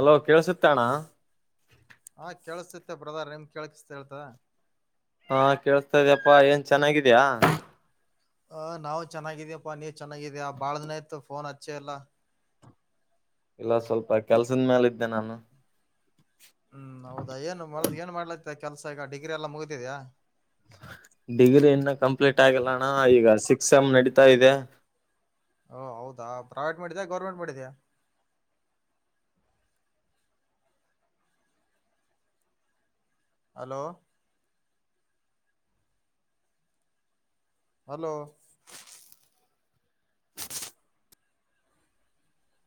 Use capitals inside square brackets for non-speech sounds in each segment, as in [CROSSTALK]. Hello ಕೇೇಳಸುತ್ತಣ ಕಳ್ಸತತ್ತ brother ನಿಮ್ ಕೇಸಿಸ ಹೇಳ್ತ ಹಾ ಕೇೇಳಸ್ತಾ ಇದ ಇದ್ಯಪ್ಪಾ ಏನ್ ಚೆನ್ನಾಗಿದ್ಯಾ ಚನ್ನಾಗಿದ್ಯಪ್ಪಾ ನೀ್ ಚೆನ್ನಾಗಿದ್ಯಾ ಬಾಳ ದಿನ ಆಯ್ತ್ತು ಫೋನ್ ಹಚ್ಚೆ ಎಲ್ಲಾ ಇಲ್ಲ ಸ್ವಲ್ಪ ಕೆಲ್ಸದ ಮೇಲೆ ಇದ್ದೆ ನಾನು ಹ್ಮ್ ಹೌದಾ ಏನ್ ಮ ಏನ್ ಮಾಡ್ಲತ್ತ ಕೆಲ್ಸ ಈಗ ಡಿಗ್ರಿ ಎಲ್ಲ ಮುಗತಿದ್ಯಾ ಡಿಗ್ರಿ ಇನ್ನ ಕಂಪ್ಲೀಟ್ ಆಗಲ್ಲಣ್ಣ ಈಗ ಸಿಕ್ಸ್ ಎಂನಡೀತಾ ಇದೆ ಓ ಹೌದಾ ಪ್ರೈವೇಟ್ ಮಾಡಿದ್ಯಾ ಗೌರ್ಮೆಂಟ್ ಮಾಡಿದ್ಯಾ ಹಲೋ ಹಲೋ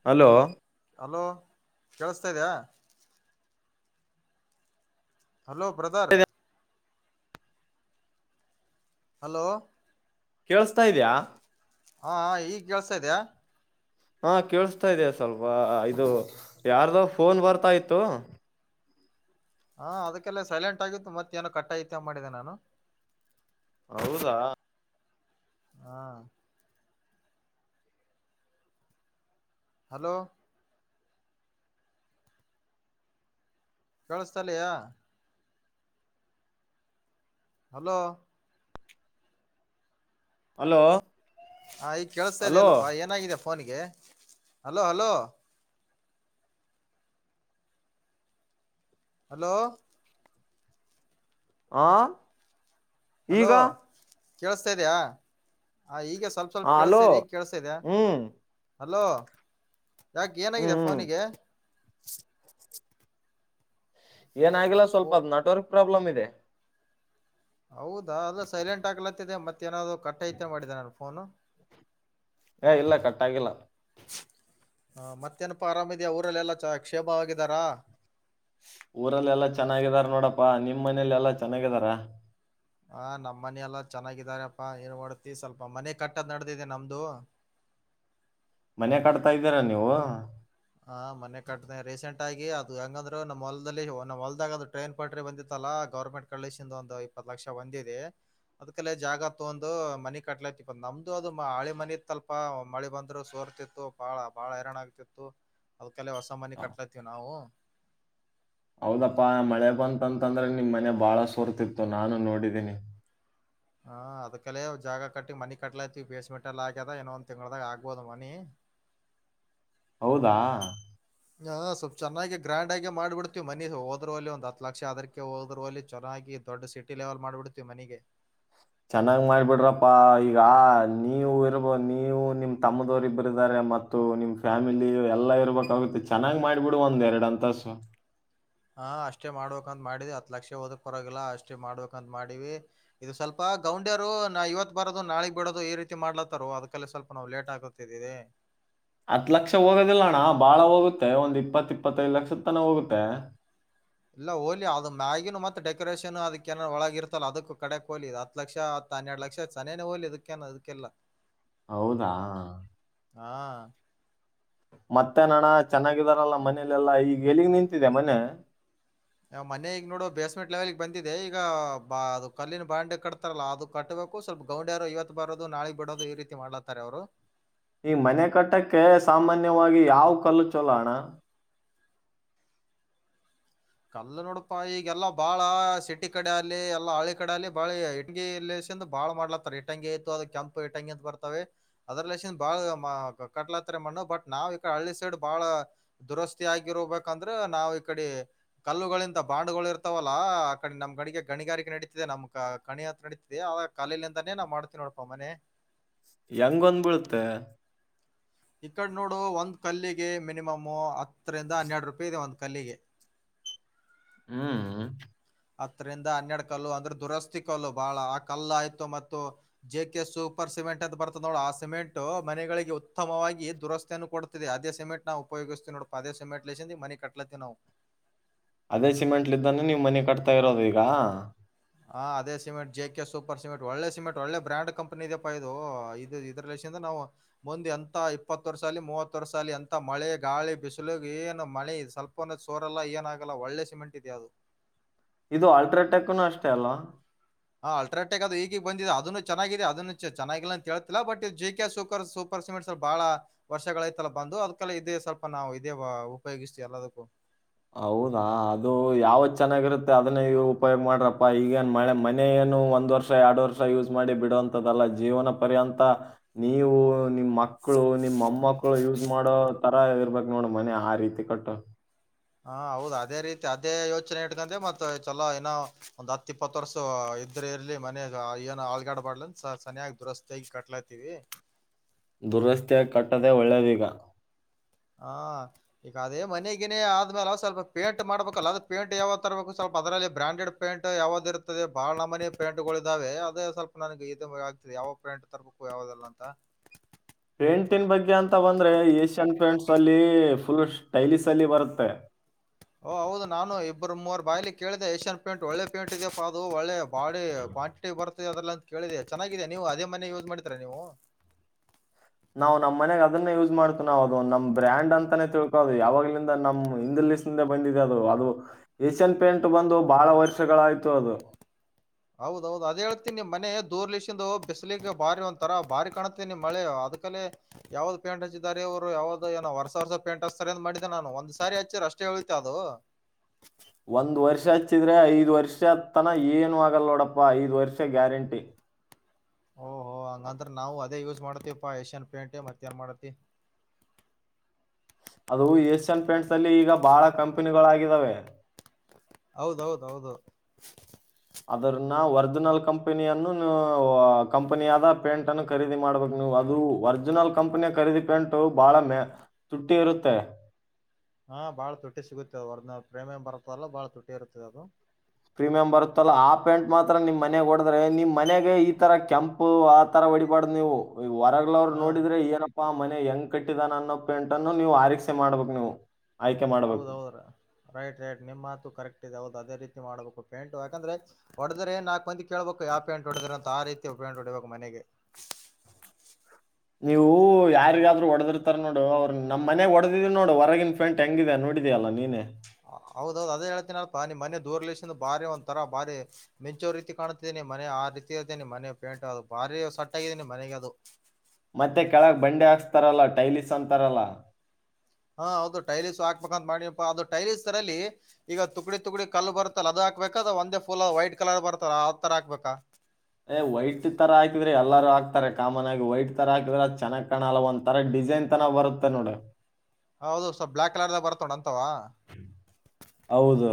ಹಲೋ ಹಲೋ ಕೇಳಿಸ್ತಾ ಇದ ಇದೆಯಾ ಹಲೋ ಬ್ರದರ್ ಹಲೋ ಕೇಳಸ್ತಾ ಇದ್ಯಾ ಹಾ ಈಗ್ ಕೇಳ್ಸಾ ಇದ್ಯಾ ಹಾ ಕೇೇಳಸ್ತಾ ಇದ ಸ್ವಲ್ಪ ಇದು ಯಾರ್ದೋ ಫೋನ್ ಬರ್ತಾ ಇತ್ತು ಹಾ ಅದಕ್ಕೆಲ್ಲ ಸೈಲೆಂಟ್ ಆಗಿತ್ತು ಮತ್ತೇಏನೋ ಕಟ್ಟಾಯಿತ ಮಾಡಿದೆ ನಾನು ಹೌದಾ ಹಾ ಹಲೋ ಕೇಳಿಸತಲಯ ಹಲೋ ಹಲೋ ಹಾ ಈಗ ಕೇಳಿಸತಾ ಹಲೋ ಇದಲ್ಲಪ್ಪಾ ಏನಾಗಿದೆ ಫೋನ್ಗೆ hello hello hello hello hello ಕೇಳಸ್ತಾ ಇದ್ಯಾ ಹಾ ಈಗ ಸ್ವಲ್ಪ ಸ್ವಲ್ಪ ಹ ಹಲೋ ಕೆೇಳಸಿದೆ ಈಗ ಕೇಳಿಸಿದೆ ಹ್ಮ್ ಹಲೋ ಯಾಕೆ ಹ್ಮ್ ಏನಾಗಿದೆ ಹ್ಮ್ ಫೋನಿಗೆ ಏನಾಗಿಲ್ಲ ಫೋ ಸ್ವಲ್ಪ ಅ್ ನೆಟ್ವರ್ಕ್ ಪ್ರಾಬ್ಲಮ್ ಇದೆ ಹೌದಾ ಅದು ಸೈಲೆಂಟ್ ಆಗ್ಲತ್ತಿದೆ ಮತ್ತೇಏನಾದ್ರು ಕಟ್ಟೈತೆ ಮಾಡಿದೆ ನಾನು ಫೋನು ಹ ಇಲ್ಲ ಕಟ್ಟ ಆಾಗಿಲ್ಲ ಹ ಮತ್ತೇನಪ್ಪಾ ಆರಾಮಿದೆಯಾ ಅವಊರಲ್ಲೆಲ್ಲಾ ಚ ಕ್ಷೇಮವಾಗಿದ್ದಾರಾ ಊರಲ್ಲ ಎಲ್ಲಾ ಚೆನ್ನಾಗಿದಾರ ನೋಡಪ್ಪಾ ನಿಮ್ ಮನೇಲಿ ಎಲ್ಲಾ ಚೆನ್ನಾಗಿದಾರ ಹ ನಮ್ಮ್ ಮನ ಎಲ್ಲಾ ಚೆನ್ನಾಗಿದಾರಪ್ಪಾ ಏನ್ ಮಾಡಡತಿ ಸ್ವಲ್ಪ ಮನೆ ಕಟ್ಟದ್ ನಡ್ದಿದೆ ನಮ್ದು ಮನೆ ಕಡ್ತಾ ಇದ್ದೀರಾ ನೀವು ಹ ಮನೆ ಕಟ್ಟಿದೆ ರೀಸೆಂಟ್ ಆಗಿ ಅದು ಹೆಂಗಂದ್ರು ನಮ್ಮ್ ಹೊಲ್ದಲ್ಲಿ ನಮ್ಮ ಹೊಲ್ದಾಗ ಅ ಟ್ರೈನ್ ಪಟ್ರಿ ಬಂದಿತ್ತಲ್ಲಾ ಗೌರ್ಮೆಂಟ್ ಕಳಿಸಿಂದ ಒಂದು ಇಪ್ಪತ್ತು ಲಕ್ಷ ಒಂದಿದೆ ಅದ್ಕಲ್ಲ ಜಾಗ ತಗೊಂಡು ಮನಿ ಕಟ್ಲತಿಪ್ಪ ನಮ್ದು ಅದು ಹಳೆ ಮನಿತ್ಲ್ಪ ಮಳೆ ಬಂದ್ರು ಸೋ ಬರ್ತಿತ್ತು ಬಾಳ ಬಾಳ ಹರರಣ ಆಗ್ತಿತ್ತು ಹೊಸ ಮನೆ ಕಟ್ಲತಿವಿ ನಾವು ಹೌದಪ್ಪಾ ಮಳೆ ಬಂತಂತಂದ್ರೆ ನಿಮ ಮನೆ ಬಾಳ ಸುರ್ತಿತ್ತು ನಾನು ನೋಡಿದ್ದೀನಿ ಹಾ ಅದಕಲೇ ಜಾಗ ಕಟ್ಟಿ ಮನಿ ಕಟ್ಲಾತಿ ಬೇಸ್ಮೆಂಟ್ ಎಲ್ಲ ಆಗ್ಯದ ಇಏನೊಂದ್ ತಿಂಗಳದಾಗ ಆಗ್ಬೋದ ಮನಿ ಹೌದಾ ಹ ಸ್ವಲ್ಪ್ ಚೆನ್ನಾಗಿ ಗ್ರ್ಯಾಂಡ್ ಆಗಿ ಮಾಡ್ಬಿಡ್ತಿವಿ ಮನ ಹೋದ್ರರು ಅಲ್ಲಿ ಒಂದ್ ಹತ್ ಲಕ್ಷ ಅದಕ್ಕೆ ಹೋದ್ರರು ಅಲ್ಲಿ ಚೆನ್ನಾಗಿ ಈ ದೊಡ್ ಸಿಟಿ ಲೆವೆಲ್ ಮಾಡ್ಬಿಡ್ತಿವಿ ಮನಗೆ ಚೆನ್ನಾಗ್ ಮಾಡ್ಬಿಡ್ರಪ್ಪಾ ಈಗ ನೀವು ಇರ್ಬೋ ನೀವು ನಿಮ್ ತಮ್ಮದವರು ಇಬ್ಬರಾರೆ ಮ ನಿಮ್ ಫ್ಯಾಮಿಲಿ ಎಲ್ಲಾ ಇರ್ಬೇಕಾಗುತ್ತೆ ಚೆನ್ನಾಗ್ ಮಾಡ್ಬಿಡು ಒಂದ್ ಎರಡ್ ಅಂತಸು ಹಾ ಅಷ್ಟೇ ಮಾಡ್ಬೇಕಂತ ಮಾಡಿದಿ ಹತ್ ಲಕ್ಷ ಓದಕ್ ಪರವಾಗಿಲ್ಲ ಅಷ್ಟೇ ಮಾಡ್ಬೇಕಂತ ಮಾಡೀಿವ ಇದು ಸ್ವಲ್ಪ ಗೌಂಡ್ಯರು ನಾ ಇವತ್ ಬರೋದು ನಾಳಗ್ ಬಿಡೋದು ಈ ರೀತಿ ಮಾಡ್ಲತ್ತಾರೋ ಅದ್ಕಲ್ಲೇ ಸ್ವಲ್ಪ ನಾವು ಲೇಟ್ ಆಗತಿದ್ದೀವಿ ಹತ್ ಲಕ್ಷ ಹೋಗೋದಿಲ್ಲಣ್ಣ ಬಾಳ ಹೋಗುತ್ತೆ ಒಂದ್ ಇಪ್ಪತ್ ಇಪ್ಪತ್ತೈದು ಲಕ್ಷದ ತನ ಹೋಗುತ್ತೆ ಇಲ್ಲ ಹೋಲಿ ಅದು ಮ್ಯಾಗಿನ ಮತ್ತೆ ಡೆಕೋರೇಷನ್ ಅದಕ್ಕನಾರ ಒಳಗ ಇರ್ತಲ್ಲ ಅದಕ್ಕೂ ಕಡೆಕ್ ಹೋಗಲಿ ಹತ್ ಲಕ್ಷ ಹನ್ನೆರಡು ಲಕ್ಷ ಆಯತ ಸನೇನೆ ಹೋೋಗಲಿ ಇದಕ್ಕೆ ಅದಕ್ಕೆಲ್ಲ ಹೌದಾ ಹಾ ಮತ್ತೆ ಅಣ್ಣ ಚೆನ್ನಾಗಿದಾರಲ್ಲ ಮನೇಲೆಲ್ಲಾ ಈಗ ಎಲ್ಲಿಗ್ ನಿಂತಿದೆ ಮನೆ ಮನೆ ಇವಾಗ ನೋಡು ಬೇಸ್ಮೆಂಟ್ ಲೆವೆಲ್ಗ್ ಬಂದಿದೆ ಈಗ ಅದು ಕಲ್ಲಿನ ಬಾಂಡೆ ಕಟ್ತಾರಲ್ಲ ಅದು ಕಟ್ಟ ಸ್ವಲ್ಪ ಗೌಂಡಿರು ಇವತ್ತು ಬರೋದು ನಾಳೆ ಬಿಡೋದು ಈ ರೀತಿ ಮಾಡಲತ್ತಾರೆ ಅವರು ಈ ಮನೆ ಕಟ್ಟಕ್ಕೆ ಸಾಮಾನ್ಯವಾಗಿ ಯಾವ ಕಲ್ಲು ಚಲೋಣ್ಣ ಕಲ್ಲ ನೋಡಪಾ ಈಗೆಲ್ಲಾ ಬಾಳ ಸಿಟಿ ಕಡೆ ಅಲ್ಲಿ ಎಲ್ಲಾ ಹಳ್ಳಿ ಕಡೆ ಅಲ್ಲಿ ಬಾಳ ಇಟಗಿ ಬಾಳ್ ಮಾಡ್ಲತ್ತ ಇಟಂಗಿ ಅದು ಕೆಂಪು ಇಟಂಗಿ ಅಂತ ಬರ್ತವೆ ಅದ್ರ ಬಾಳ ಕಲ ಮಣ್ಣು ಬಟ್ ನಾವ್ ಈ ಕಡೆ ಹಳ್ಳಿ ಸೈಡ್ ಬಾಳ ದುರಸ್ತಿ ಆಗಿರಬೇಕಂದ್ರೆ ನಾವ್ ಈ ಕಡೆ ಕಲ್ಲುಗಳಿಂದ ಬಾಂಡುಗಳು ಇರ್ತಾವಲ್ಲಾ ಆ ಕಡೆ ನಮ್ ಗಡಿಗೆ ಗಣಿಗಾರಿಕೆ ನಡೀತಿದೆ ನಮ್ ಕಣಿ ಹತ್ರ ನಡೀತಿದೆ ಕಲ್ಲಿಂದಾನೆ ನಾವ್ ಮಾಡ್ತೀವಿ ನೋಡಪ್ಪಾ ಮನೆ ಹೆಂಗೊಂದ್ ಬಿಳತ್ತೆ ಈ ಕಡೆ ನೋಡು ಒಂದ್ ಕಲ್ಲಿಗೆ ಮಿನಿಮಮ್ ಹತ್ತರಿಂದ ಹನ್ನೆರ ರೂಪಾಯಿ ಇದೆ ಒಂದ ಕಲ್ಲಿಗೆ ಹ್ಮ್ ಹತ್ತರಿಂದ ಹನ್ನೆರಡ್ ಕಲ್ಲು ಅಂದ್ರೆ ದುರಸ್ತಿ ಕಲ್ಲು ಬಹಳ ಆ ಕಲ್ಲು ಆಯ್ತು ಮತ್ತು ಜೆ ಕೆ ಸೂಪರ್ ಸಿಮೆಂಟ್ ಅಂತ ಬರುತದೆ ನೋಡ ಆ ಸಿಮೆಂಟ್ ಮನೆಗಳಿಗೆ ಉತ್ತಮವಾಗಿ ದುರಸ್ತಿಯನ್ನು ಕೊಡತಿದೆ ಅದೇ ಸಿಮೆಂಟ್ ನಾವು ಉಪಯೋಗ ಅದೇ ಸಿಮೆಂಟ್ ಇಂದ ಮನೆ ಕಟ್ಲತಿವಿ ನಾವು ಅದೇ ಸಿಮೆಂಟ್ಲಿದ್ದಾನೆ ನೀವು ಮನೆ ಕಟ್ತಾ ಇರೋದು ಈಗ ಹಾ ಅದೇ cement J K super cement ಒಳ್ಳೆ ಸಿಮೆಂಟ್ ಒಳ್ಳೆ ಬ್ರ್ಯಾಂಡ್ ಕಂಪನಿ ಇದೆಪ ಇದು ಇದು ನಾವು ಮುಂದೆ ಎಂತ ಇಪ್ಪತ್ತು ವರ್ಷಾ ಆಗ್ಲಿ ಮೂವತ್ತು ವರ್ಷಾ ಆಗ್ಲಿ ಎಂತ ಮಳೆ ಗಾಳಿ ಬಿಸಿಲು ಏನು ಮನೆ ಸ್ವಪ ಒಂದ ಸೋರಲ್ಲ ಏನಾಗಲ್ಲ ಒಳ್ಳೆ ಸಿಮೆಂಟ್ ಇದ ಅದು ಇದು ಅಲ್ಟ್ರಾಟೆಕ್ನು ಅಷ್ಟೇ ಅಲ್ಲ ಹಾ ಅಲ್ಟ್ರಾಟೆಕ್ ಅದು ಈಗಗ್ ಬಂದಿದೆ ಅದನು ಚೆನ್ನಾಗಿದೆ ಅದನ್ನು ಚೆನ್ನಾಗಿಲ್ಲ ಅಂತ ಹೇಳ್ತಿಲ್ಲ but J K super super ಸ್ವಲ್ಪ ಬಹಳ ವರ್ಷಗಳ ಐತಲ್ಲ ಬಂದು ಅದ್ಕಲ್ಲ ಇದೇ ಸ್ವಲ್ಪಾವು ಇದೇ ಉಪಯೋಗಿಸ್ತವಿ ಎಲ್ಲದಕ್ಕೂ ಹೌದಾ ಅದು ಯಾವತ್ ಚೆನ್ನಾಗಿರುತ್ತೆ ಅದನ್ನ ಇವರು ಉಪಯೋಗ್ ಮಾಡ್ರಪ್ಪಾ ಈಗೇನ್ ಮಳೆ ಮನೆ ಏನ್ ಒಂದ್ ವರ್ಷ ಎರಡು ವರ್ಷ ಯೂಸ್ ಮಾಡಿ ಬಿಡುವಂತದಲ್ಲ ಜೀವನ ಪರ್ಯಂತ ನೀವು ನಿಮ್ಮ್ ಮಕ್ಕ ಮಕ್ಕಳು ನಿಮ್ಮ್ ಮಮ್ಮಕ್ಕಳು ಯೂಸ್ ಮಾಡೋ ತರ ಇರ್ಬೇಕ್ ನೋಡ ಮನೆ ಆ ರೀತಿ ಕಟ್ಟು ಹಾ ಹೌದ ಅದೇ ರೀತಿ ಅದೇ ಯೋಚನೆ ಇಟ್ಕೊಂಡೆ ಮತ್ತ ಚಲೋ ಏನೋ ಒಂದ್ ಹತ್ ಇಪ್ಪತ್ತು ವರ್ಷ ಇದ್ರ ಇರ್ಲಿ ಮನ್ಯಾಗ ಏನೋ ಅಳಗಡ್ಬಾರ್ಡ್ ಸನಯಾಗಿ ದುರಸ್ತಿಯಾಗಿ ಕಟ್ಲಾತಿವಿ ದುರಸ್ತಿ ಕಟ್ಟದೆೇ ಒಳ್ಳೆದೀಗ ಹಾ ಈಗ ಅದೇ ಮನೆಗಿನೇ ಆದ್ಮೇಲ ಸ್ವಲ್ಪ ಪೇಂಟ್ ಮಾಡ್ಬೇಕಲ್ಲ ಅದ ಪೇಂಟ್ ಯಾವ ತರಬೇಕು ಸ್ವಲ್ಪ ಅದರಲ್ಲಿ ಬ್ರಾಂಡೆಡ್ ಪೇಂಟ್ ಯಾವ್ದ್ ಇರ್ತದೆ ಬಹಳ ಮನ ಪೇಂಟ್ ಗಳ ಇದಾವೆ ಅದೇ ಸ್ವಲ್ಪ ನನಗೆ ಇದು ಆಗ್ತದೆ ಯಾವ ಬ್ರಾಂಡ್ ತರ್ಬೇಕು ಯಾವದಿಲ್ಲ ಅಂತ [INAUDIBLE] ಪೇಂಟನ್ ಬಗ್ಗೆ ಅಂತ ಬಂದ್ರೆ ಏಷ್ಯನ್ ಪೇಂಟ್ಸ್ ಅಲ್ಲಿ ಫುಲ್ ಸ್ಟೈಲ್ ಅಲ್ಲಿ ಬರುತ್ತೆ ಓ ಹೌದು ನಾನು ಇಬ್ಬರು ಮೂವರ್ ಬಾಯ್ಲಿ ಕೇಳಿದೆ ಏಷ್ಯನ್ ಪೇಂಟ್ ಒಳ್ಳೆ ಪೇಂಟ್ ಇದಿಯಪ್ಪ ಅದು ಒಳ್ಳೆ ಬಾಡಿ ಕ್ವಾಂಟಿಟಿ ಬರುತ್ತದೆ ಅದೆಲ್ಲ ಅಂತ ಕೇಳಿದೆ ಚೆನ್ನಾಗಿದೆ ನೀವು ಅದೇ ಮನೆ ಯೂಸ್ ಮಾಡ್ತೀರಾ ನೀವು [INAUDIBLE] ನಾವ್ ನಮ್ಮ ಮನೆಗ ಅದನ್ನ ಯೂಸ್ ಮಾಡ್ತವಿ ನಾವ್ ಅದು ನಮ್ ಬ್ರ್ಯಾಂಡ್ ಅಂತಾನೇ ತಿಳ್ಕೋದು ಯಾವ್ಲಿಂದ ನಮ್ ಬಂದಿದೆ ಅದು ಅದು ಏಷ್ಯನ್ ಪೇಂಟ್ ಬಂದು ಬಹಳ ವರ್ಷಗಳಾಯ್ತು ಅದು ಹೌದೌದು ಅದೇ ಹೇಳ್ತೀನಿ ಮನೆ ದೂರ್ಲಷಂದು ಬಿಸಲಿಗೆ ಬಾರಿ ಒಂತರ ಬಾರಿ ಕಾಣತ ನಿಮ್ಮ್ ಮಳೆ ಅದಕಲೆ ಯಾವ್ದ್ ಪೇಂಟ್ ಹಚ್ಚಿದಿದ್ದಾರೆ ಇವರು ಯಾವ್ದ ಏನ್ ಹೊಸ ಹೊಸ ಪೇಂಟ್ ಹಚ್ತಾರೆ ಅಂತ ಮಾಡಿದೆ ನಾನು ಒಂದ್ ಸಾರಿ ಹಚ್ಚಿರಷ್ಟ ಅಷ್ಟೇ [UNINTELLIGIBLE] ಅದು [INAUDIBLE] ಒಂದ್ ವರ್ಷ ಹಚ್ಚಿದ್ರೆ ಐದ್ ವರ್ಷ ತನ ಏನು ಆಗಲ್ಲ ನೋಡಪ್ಪಾ ಐದ ವರ್ಷ ಗ್ಯಾರಂಟಿ ಓಹೋ ಹಂಗಂದ್ರ ನಾವು ಅದೇ ಯೂಸ್ ಮಾಡತಿಪಾ ಏಷ್ಯನ್ ಪೇಂಟ್ ಮತ್ತ ಏನ್ ಮಾಡತಿ [UNINTELLIGIBLE] ಅದು ಏಷ್ಯನ್ ಪೇಂಟ್ಸ್ ಅಲ್ಲಿ ಈಗ ಬಹಳ ಕಂಪನಿಗಳಾಗಿದ್ದಾವೆ ಹೌದೌದೌದು ಅದ್ರನ್ನ ಒರ್ಜಿನಲ್ ಕಂಪನಿ ಅನ್ನು ನೀ ಕಂಪನಿ ಆದ ಪೇಂಟ್ ಅನ್ನು ಖರೀದಿ ಮಾಡ್ಬೇಕು ನೀವು ಅದು ಒರಿಜಿನಲ್ ಕಂಪನಿಯ ಖರೀದಿ ಪೆಂಟು ಬಹಳ ಮ ತುಟ್ಟಿ ಇರುತ್ತೆ ಹಾ ಬಾಳ ತೊಟ್ಟಿ ಸಿಗುತ್ತೆ ಒರಿಜಿನಲ್ ಪ್ರೇಮೇ ಬರತ್ತಲ್ಲ ಬಾಳ ತುಟ್ಟಿ ಇರುತ್ತೆ ಅದು ಪ್ರೀಮಿಯಂ ಬರುತ್ತಲ್ಲ ಆ ಪೆಂಟ್ ಮಾತ್ರ ನಿಮ್ ಮನೆಗ ಹೊಡದ್ರೆ ನಿಮ್ ಮನೆಗೆ ಈ ತರ ಕೆಂಪು ಆತರ ಹೊಡೀಬಾರ್ದು ನೀವು ಈ ಹೊರಗ್ಲ ಅವ್ರು ಹಾ ನೋಡಿದ್ರೆ ಏನಪ್ಪಾ ಮನೆ ಹೆಂಗ್ ಕಟ್ಟಿದಾನ ಅನ್ನೋ ಪೆಂಟನ್ನು ನೀವು ಆರೀಕ್ಷೆ ಮಾಡ್ಬೇಕಕ್ ನೀವು ಆಯ್ಕೆ ಹೌದ ಮಾಡ್ಬೇಕು ಹೌದ್ರ ರೈಟ್ ರೈಟ್ ನಿಮ್ ಮಾತು ಕರೆಕ್ಟ್ ಇದೆ ಹೌದು ಅದೇ ರೀತಿ ಮಾಡಬೇಕು ಪೇಂಟ್ ಯಾಕಂದ್ರೆ ಹೊಡದ್ರ ನಾಕ್ ಬಂದ್ ಕೇಳ್ಬೇಕು ಯಾವ ಪೇಂಟ್ ಹೊಡದ್ರ ಅಂತ ಆ ರೀತಿ ಪೇಂಟ್ ಹೊಡಿಬೇಕು ಮನೆಗೆ ಕೆ [UNINTELLIGIBLE] ನೀವು ಯಾರಿಗಾದ್ರರು ಹೊಡದಿರ್ತಾರ ನೋಡು ಅವ್ರ ನಮ್ಮ ಮನೆಗ್ ಹೊಡದಿದಾರೆ ನೋಡು ಹೊರಗಿನ ಪೈಂಟ್ ಹೆಂಗಿದೆ ನೋಡಿದಿಯಾ ನೋಡಿದೀಯಲ್ಲ ನೀನೇ ಹೌದೌದು ಅದೇ ಹೇಳ್ತೀನ ಅಲ್ಪ್ಪ ನಿಮ್ಮ ಮನೆ ದೂರ್ಲಸ ಬಾರಿ ಒಂದ್ರ ಬಾರಿ ಒಂತರ ಬಾರಿ ಮಿಚ್ಚು ರೀತಿ ಕಾಣುತದೆ ಮನೆ ಆ ರೀತಿ ಇರ್ತೇನೆ ಮನೆ ಪೇಂಟ್ ಅದು ಬಾರಿ ಸಟ್ ಆಗಿದ್ದೇನಿ ಮನೆಗೆ ಅದು ಮತ್ತೆ ಕೆಳಗ್ ಬಂಡೆ ಹಾಕ್ಸ್ತಾರಲ್ಲ ಟೈಲೀಸ್ ಅಂತಾರಲ್ಲ ಹಾ ಹೌದು ಟೈಲೀಸ್ ಹಾಕ್ಬೇಕಂತ ಮಾಡಿಪ್ಪ ಅದು ಟೈಲೀಸ್ ತರಲ್ಲಿ ಈಗ ತುಗಡಿ ತುಗಡಿ ಕಲ್ಲು ಬರ್ತಲ್ಲ ಅದ ಹಾಕ್ಬೇಕ ಅದ ಒಂದೇ ಫೂಲ್ ವೈಟ್ ಕಲರ್ ಬರ್ತಾರ ಅದ್ ತರ ಹಾಕ್ಬೇಕಾ ಅದೇ ವೈಟ್ ತರ ಹಾಕಿದ್ರೆ ಎಲ್ಲಾರೂ ಹಾಕ್ತಾರೆ ಕಾಮನ್ ಆಗಿ ವೈಟ್ ತರ ಹಾಕಿದ್ರೆ ಚೆನ್ನಾಗಿ ಕಣ್ಣಲ್ಲ ಒಂತರ ಡಿಫರೆಂಟ್ ಡಿಸೈನ್ ತನಾ ಬರುತ್ತೆ ನೋಡು ಹೌದು ಸ್ವಲ್ಪ ಬ್ಲಾಕ್ ಕಲರ್ದಾಗ ಬರುತಲ್ಲ ನೋಡು ಹೌದು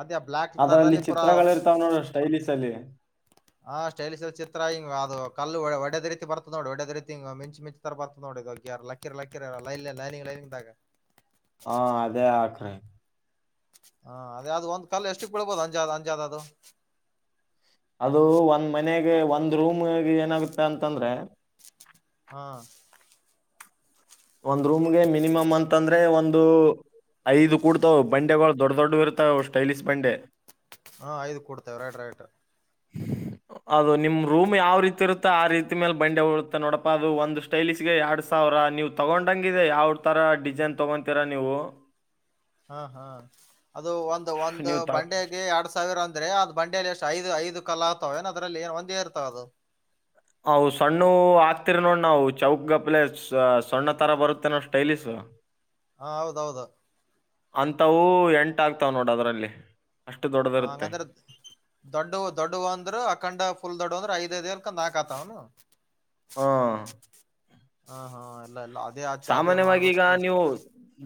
ಅದೇ ಬ್ಲಾಕ್ ಅದ್ರಲ್ಲಿ ತರದಲ್ಲಿ ಪೂರಾ ಚಿತ್ರಗಳು ಇರ್ತಾವ ನೋಡ ಸ್ಟೈಲಿಶ್ ಅಲ್ಲಿ ಆ ಸ್ಟೈಲಿಶ್ ಚಿತ್ರ ಹಿಂಗ ಅದು ಕಲ್ಲು ಒಡೇದ ರೀತಿರ್ತತ್ ನೋಡಿ ಒಡೇದ ರೀತಿ ಹಿಂಗ ಮಿಂಚ್ ಮಿಂಚ ತರ ಬರ್ತದ ನೋಡಿ ಯಾರ ಲಕ್ಕಿ ಲಕ್ಕಿರೆ ಲೈ ಲೈನಂಗ ಲೈನಂಗಾಗ ಹಾ ಅದೇ ಹಾಕ್ರಿ ಹಾ ಅದ ಯಾವ್ದ ಒಂದ್ ಕಲ್ ಎಷ್ಟು ಬೀಳ್ಬೋದು ಅಂಜ ಅಂಜಾದ ಅದು ಅದು ಒಂದ್ ಮನೆಗೆ ಒಂದ್ ರೂಮ್ಗೆ ಏನಾಗುತ್ತ ಅಂತಂದ್ರೆ ಹಾ ಒಂದ್ ರೂಮ್ಗೆ ಮಿನಿಮಮ್ ಅಂತಂದ್ರೆ ಒಂದು ಐದು ಕೂಡ್ತವು ಬಂಡೆಗಳು ದೊಡ್ಡ ದೊಡ್ಡ ಇರ್ತಾವ ಸ್ಟೈಲಿಶ್ ಬಂಡೆ ಹಾ ಐದು ಕೊಡ್ತೇವೆ ರೈಟ್ ರೈಟ್ [INAUDIBLE] ಅದು ನಿಮ್ ರೂಮ್ ಯಾವ ರೀತಿ ಇರುತ್ತೋ ಆ ರೀತಿ ಮೇಲೆ ಬಂಡೆ ಹಡುತ್ತೆ ನೋಡಪ್ಪಾ ಅದು ಒಂದು ಸ್ಟೈಲಿಗೆ ಎರಡ್ ಸಾವಿರ ನೀ ತಗೊಂಡಂಗಿದೆ ಯಾವ ತರ ಡಿಸೈನ್ ತಗೊತೀರಾ ನೀವು ಹಾ ಹ್ಮ ಅದು ಒಂದು ಒಂದು ನೀವು ತ ಬಂಡೆಗೆ ಎರಡ್ ಸಾವಿರ ಅಂದ್ರೆ ಅದ್ ಬಂಡೇಲಿ ಎಷ್ಟು ಐದು ಐದು ಕಲಾ ಆತಾವವೊ ಅದ್ರಲ್ಲಿ ಏನ್ ಒಂದೇ ಇರ್ತಾವ ಅದು ಅ ಸಣ್ಣ ಹಾಕ್ತಿರಿ ನೋಡ್ ನಾವು ಚೌಕ್ ಗಪ್ಲೆ ಸಣ್ಣ ತರ ಬರುತ್ತೆ ನೋಡ್ ಸ್ಟೈಲಿಶ್ ಹ ಹಾ ಹೌದೌದು ಅಂತವು ಎಂಟ ಆಗ್ತಾವ ನೋಡ ಅದ್ರಲ್ಲಿ ಹಂಗಂದ್ರೆ ದೊಡ್ಡ ದೊಡ್ಡ ಅಂದ್ರರು ಅಖಂಡ ಫುಲ್ ದೊಡ್ಡ ಅಂದ್ರ ಐದ್ [UNINTELLIGIBLE] ಹಾ ಹಾ ಹಾ ಎಲ್ಲ ಎಲ್ಲ ಸಾಮಾನ್ಯವಾಗಿ ಈಗ ನೀವು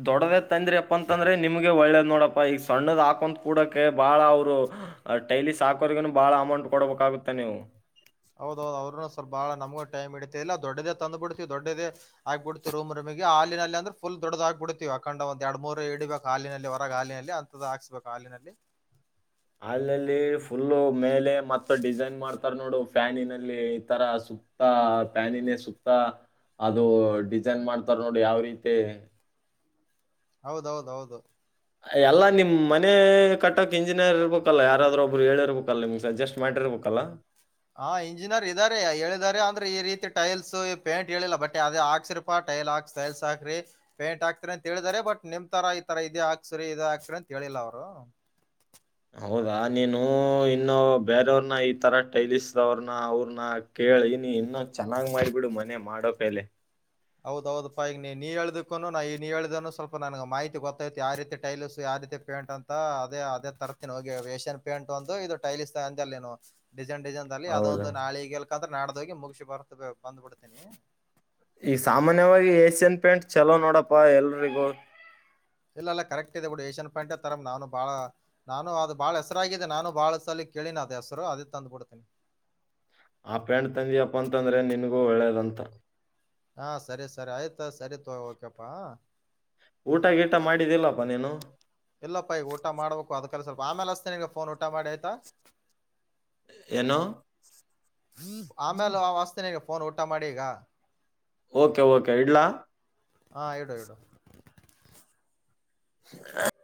ದೊಡ್ಡವೆ ತಂದ್ರಿ ಅಪ್ಪ ಅಂತಂದ್ರೆ ನಿಮ್ಗೆ ಒಳ್ಳೇದ್ ನೋಡಪ್ಪ ಈಗ ಸಣ್ಣದ ಹಾಕೊಂತ ಕೂಡಕೆ ಬಾಳ ಅವ್ರು ಟೈಲಿ ಸಾಕರಿಗೂ ಬಹಳ ಅಮೌಂಟ್ ಕೊಡಬೇಕಾಗುತ್ತೆ ನೀವು ಹೌದೌದು ಅವ್ರರುೂ ಸ್ವಲ್ ಬಾಳ ನಮಗಗೆ ಟೈ್ ಇಡತಿ ಇಲ್ಲ ದೊಡ್ಡದ ತಂದ ಬಿಡ್ತಿ ದೊಡ್ಡೇ ಆಗ್ಬ ಬಿಡ್ತಿ ರಮ್ ರಮ ಹಾಲಲ್ಲಿ ಅಂದ್ರ ಫುಲ್ ದೊಡ್ಡ ಹಾಕ್ ಬಿಡ್ತಿವಿ ಅಕೊಂಡ್ ಒಂದ ಎರಡು ಮೂೂ ಇಡಬೇಕ ಹಾಲಿನಲ್ಲಿ ಹೊರಗೆ ಹಾಲಿನಲ್ಲಿ ಅಂತ ಹಾಕ್ಸ್ಬೇಕು ಕಾಲಿನಲ್ಲಿ ಹ ಅಲ್ಲಲ್ಲಿ ಫುಲ್ಲ ಮೇಲೆ ಮತ್ತ ಡಿಸೈನ್ ಮಾಡ್ತಾರ ನೋಡು ಫ್ಯಾನಿನಲ್ಲಿ ತರ ಸಕ್ತಾ ಪ್ಯಾನ ನ ಸಕ್ತಾ ಅದು ಡಿಸೈನ್ ಮಾಡ್ತಾರ ನೋಡಿ ಯಾವ ರೀತಿ ಹೌದೌದ ಹೌದು ಎಲ್ಲ ನಿಮ್ ಮನೆ ಕಟ್ಟಕ್ ಇಂಜಿನಿಯರ್ ಇರ್ಬೇಕಲ್ಲ ಯಾರಾದ್ರೂ ಒಬ್ರು ಹೇಳಿರ್ಬೇಕಲ್ಲ ನಿಮ್ ಸಜಸ್ಟ್ ಮಾಡಿರ್ಬೇಕು ಕಲ ಹಾ ಇಂಜಿನಿಯರ್ ಇದ್ದಾರೆ ಹೇಳಿದಿದ್ದಾರೆ ಅಂದ್ರೆ ಈ ರೀತಿ ಟೈಲ್ಸ್ ಪೇಂಟ್ ಹೇಳಿಲ್ಲ ಬಟ್ೆ ಅದೇ ಆಕ್ಸರ ಪಾಟ್ ೈಲ್ ಹಾಕ್ ಸೈಲ್ಸ್ಾಿ ಪೇಂಟ್ ಹಾಕ್ತರಿ ಅಂತ ಹೇಳಿದಾರೆ ಬಟ್ ನಿಮ್ರ ಈ ತರ ಇ ಹಾಕ್ಿರಿ ಇದು ಹಾಕ್ಿ ಅಂತ ಹೇಳಿ ಇಲ್ಲ ಅವರು ಹ ಹೌದಾ ನೀನು ಇನ್ನು ಬೇರವ್ರನ ಈ ತರ ಟೈಲಸ್ವ್ರನ ಅವ್ರನ ಕೇಳ ಹೇಳಿ ನೀ ಇನ್ನೊ ಚೆನ್ನಾಗ್ ಮಾಡ್ಬಿಡು ಮನೆ ಮಾಡೋಪೇಲೆ ಹೌದೌದಪ್ಪಾ ಈಗ ನೀ ಹೇಳ್ದಕ್ಕೂನು ನಾ ನೀ ಹೇಳ್ದನು ಸ್ವಲ್ಪ ನನಗೆ ಮಾಹತಿ ಗೊತ್ತೈತಿ ಯಾವ ರೀತಿ ಟೈಲ್ಸ್ ಯ ಆದ್ಯತೆ ಪೇಂಟ್ ಅಂತ ಅದೇ ಅದೇ ತರತೀನ ಹೋಗಿ ಏಷ್ಯನ್ ಪೇಂಟ್ ಒಂದು ಇದು ಟೈಲಿಸ್ ಅಂದ ನೀವು ಡಿಸೈನ್ ಡಿಸೈನ್ದಲ್ಲಿ ಹೌದು. ಅದೊಂದು ನಾಳಿಿಗೆ ಎಲ್ಕ ಅ್ರೆ ನಾಡ್ದೋಗಿ ಮುಗಿಸಿಿ ಬರ್ತ ಬಂದ್ಬಿಡ್ತೀನಿ ಈ ಸಾಮಾನ್ಯವಾಗಿ ಏಸಿಯನ್ ಪ್ಯಾಂಟ್ ಚಲೋ ನೋಡಪ್ಪಾ ಎಲ್ರಿಗೂ ಇಲ್ಲಲ್ಲ ಕರೆಕ್ಟ್ ಇದೆ ಬಿಡಿ ಏಷ್ಯನ್ ಪ್ಯಾಂಟ್ ತರ ನಾನು ಬಾಳ ನಾನು ಅದು ಬಾಳ್ ಹೆಸರಾಗಿದೆ ನಾನು ಬಾಳ ಸಲಲಿ ಕೇಳಿನ ಅ್ ಹೆಸರು ಅದ ತಂದು್ ಬಿಡ್ತೀನಿ ಆ ಪ್ಯಾಂಟ್ ತಂದಿಯಪ್ಪ ಅಂತಂದ್ರೆ ನಿನಗೂ ಒಳ್ಳೇದಂತ ಹಾ ಸರಿ ಸರಿ ಆಯ್ತಾ ಸರಿತ ಓಕೆಪ್ಪಾ ಊಟ ಗೀಟ ಮಾಡಿದಿಲ್ಲಪ್ಪ ನೀನು ಇಲ್ಲಪ್ಪ ಈಗ ಊಟ ಮಾಡ್ಬೇಕು ಅದಕ್ಕೆಲ್ಲ ಸ್ವಲ್ಪ ಆಮೇಲೆ ಅಷ್ಟತೇ ನಿಗ ಫೋನ್ ಊಟ ಮಾಡಿ ಆಯ್ತಾ ಏನೋ ಆಮೇಲೆ ಆ ವಾಸ್ತಿನಿಗೆ ಫೋನ್ ಊಟ ಮಾಡಿ ಈಗ ಓಕೆ ಓಕೆ ಇಡ್ಲಾ ಹಾ ಎಡುೋ ಎಡು ಹ